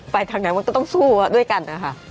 ไปทางไหนมันก็ต้องสู้ด้วยกัน